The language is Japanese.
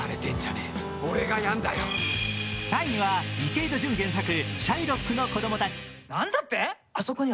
３位は池井戸潤原作「シャイロックの子供たち」。